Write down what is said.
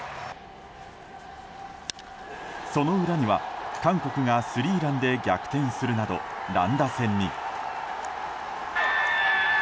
その裏には韓国がスリーランで逆転するなど乱打戦に。